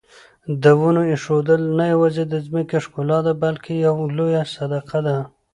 د ونو ایښودل نه یوازې د ځمکې ښکلا ده بلکې یوه لویه صدقه ده.